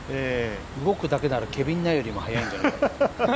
動くだけならケビン・ナよりも早いんじゃないかって。